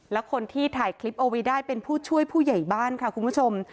แล้วคนที่ถ่ายคลิปเอาไว้ได้เป็นผู้ช่วยผู้ใหญ่บ้านค่ะคุณผู้ชม